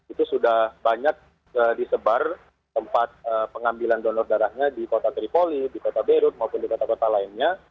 itu sudah banyak disebar tempat pengambilan donor darahnya di kota tripoli di kota beirut maupun di kota kota lainnya